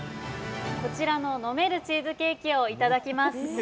こちらの飲めるチーズケーキをいただきます。